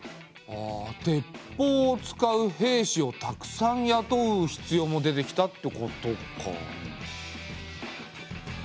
あ鉄砲を使う兵士をたくさんやとう必要も出てきたってことか。